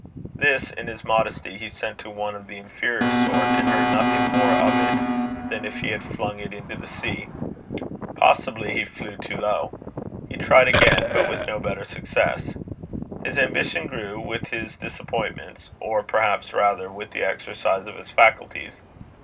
This, in his modesty, he sent to one of the inferior sort, and heard nothing more of it than if he had flung it into the sea. Possibly he flew too low. He tried again, but with no better success. His ambition grew with his disappointments, or perhaps rather with the exercise of his faculties.